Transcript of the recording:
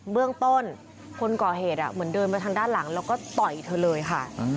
เบื้องต้นคนก่อเหตุเหมือนเดินมาทางด้านหลังแล้วก็ต่อยเธอเลยค่ะ